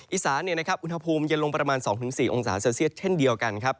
อีสานอุณหภูมิเย็นลงประมาณ๒๔องศาเซลเซียสเช่นเดียวกันครับ